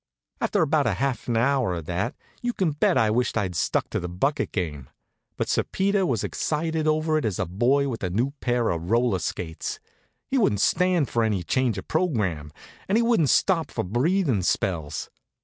After about half an hour of that, you can bet I wished I'd stuck to the bucket game. But Sir Peter was as excited over it as a boy with a new pair of roller skates. He wouldn't stand for any change of program, and he wouldn't stop for breathin' spells.